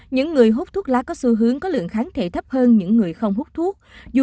những người hút thuốc lá có xu hướng có lượng kháng thể thấp hơn những người không hút thuốc